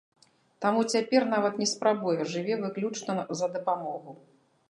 Таму цяпер нават не спрабуе, жыве выключна за дапамогу.